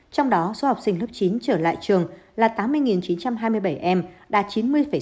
trong đó số học sinh lớp chín trở lại trường là tám mươi chín trăm hai mươi bảy em đạt chín mươi sáu